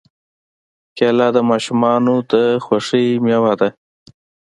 کېله د ماشومانو خوښې مېوه ده.